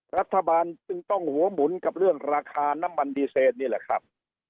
รัฐบาลจึงต้องหัวหมุนกับเรื่องราคาน้ำมันดีเซนนี่แหละครับ